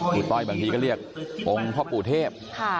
ต้อยบางทีก็เรียกองค์พ่อปู่เทพ